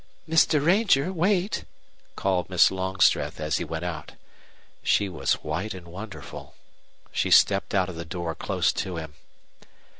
"Mr. Ranger, wait!" called Miss Longstreth, as he went out. She was white and wonderful. She stepped out of the door close to him.